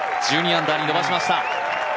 １２アンダーに伸ばしました。